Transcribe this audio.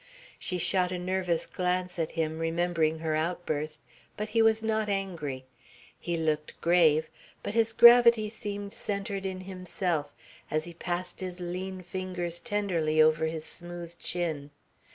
She shot a nervous glance at him, remembering her outburst, but he was not angry. He looked grave, but his gravity seemed centred in himself as he passed his lean fingers tenderly over his smooth chin.